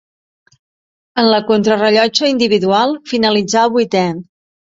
En la contrarellotge individual finalitzà el vuitè.